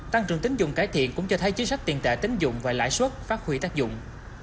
tăng trưởng tính dụng cải thiện cũng cho thấy chính sách tiền tệ tính dụng và lãi suất phát huy tác dụng